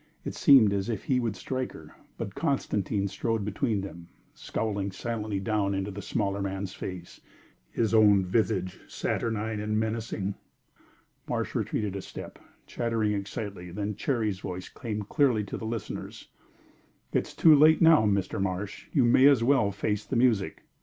It seemed as if he would strike her; but Constantine strode between them, scowling silently down into the smaller man's face, his own visage saturnine and menacing. Marsh retreated a step, chattering excitedly. Then Cherry's voice came clearly to the listeners: "It is too late now, Mr. Marsh. You may as well face the music."